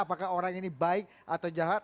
apakah orang ini baik atau jahat